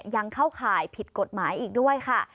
ยังเข้าข่ายผิดกฎหมายอีกด้วยค่ะ